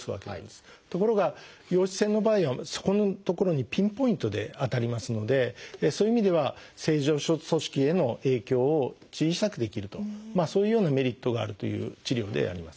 ところが陽子線の場合はそこの所にピンポイントで当たりますのでそういう意味では正常組織への影響を小さくできるとそういうようなメリットがあるという治療であります。